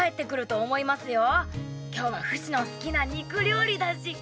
今日はフシの好きな肉料理だし。